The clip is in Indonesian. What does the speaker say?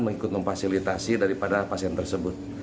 dan juga memberikan konsultasi daripada pasien tersebut